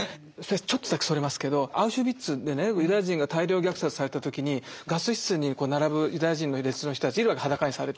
ちょっとだけそれますけどアウシュビッツでねユダヤ人が大量虐殺された時にガス室に並ぶユダヤ人の列の人たちいるわけ裸にされて。